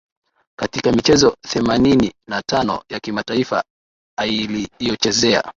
katika michezo themanini na tano ya kimataifa ailiyochezea